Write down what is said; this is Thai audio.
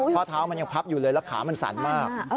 ข้อเท้ามันยังพับอยู่เลยแล้วขามันสั่นมาก